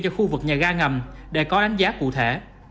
cho khu vực nhà ga ngầm để có đánh giá cụ thể